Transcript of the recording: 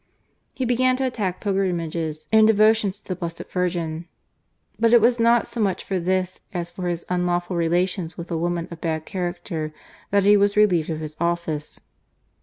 He began to attack pilgrimages and devotions to the Blessed Virgin, but it was not so much for this as for his unlawful relations with a woman of bad character that he was relieved of his office.